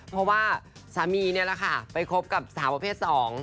เพราะว่าสามีนี่แหละค่ะไปคบกับสาวประเภท๒